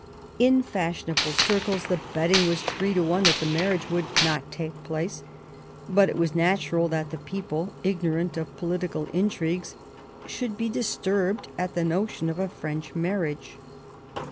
In fashionable circles the betting was three to one that the marriage would not take place ; but it was natural that the people, ignorant of political in trigues, should be disturbed at the notion of a French marriage.